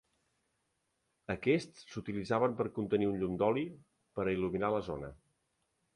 Aquests s'utilitzaven contenir un llum d'oli per a il·luminar la zona.